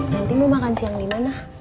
nanti mau makan siang di mana